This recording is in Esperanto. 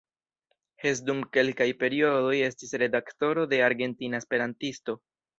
Hess dum kelkaj periodoj estis redaktoro de "Argentina esperantisto.